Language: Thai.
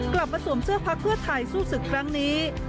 สวมเสื้อพักเพื่อไทยสู้ศึกครั้งนี้